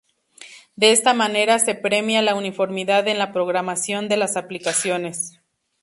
De esta manera se premia la uniformidad en la programación de las aplicaciones.